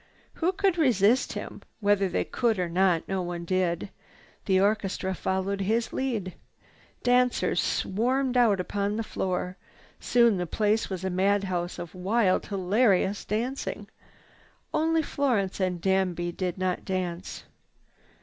Who could resist him? Whether they could or not, no one did. The orchestra followed his lead. Dancers swarmed out upon the floor. Soon the place was a mad house of wild, hilarious dancing. Only Florence and Danby Force did not dance.